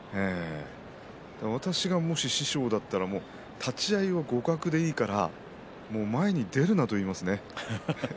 私が、もし師匠だったら立ち合いは互角でいいから前に出るなといいますね。